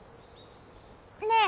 ねえ！